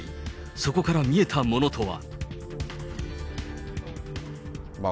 そこから見えたものとは。